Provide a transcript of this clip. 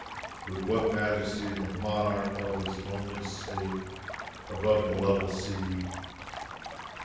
With what majesty the monarch held his lonely state above the level sea!